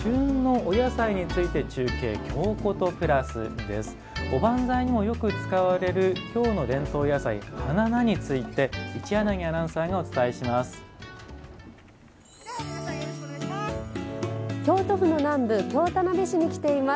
おばんざいにも、よく使われる京の伝統野菜花菜について一柳アナウンサーがお伝えします。